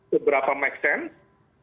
seberapa make sense